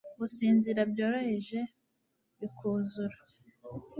Gusinzira byoroheje bikuzura